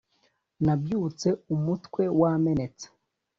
Nabyutse umutwe wamenetse